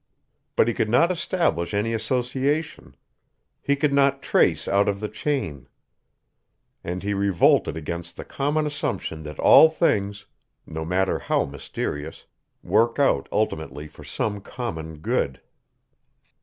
But he could not establish any association; he could not trace out the chain; and he revolted against the common assumption that all things, no matter how mysterious, work out ultimately for some common good.